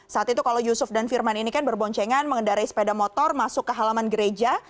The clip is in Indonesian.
saat itu kalau yusuf dan firman ini kan berboncengan mengendarai sepeda motor masuk ke halaman gereja